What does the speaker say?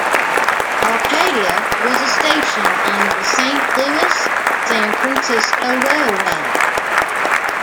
Arcadia was a station on the Saint Louis-San Francisco Railway.